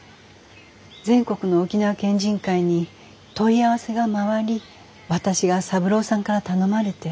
全国の沖縄県人会に問い合わせが回り私が三郎さんから頼まれて。